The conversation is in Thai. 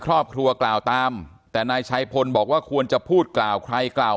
ครอบครัวกล่าวตามแต่นายชัยพลบอกว่าควรจะพูดกล่าวใครกล่าว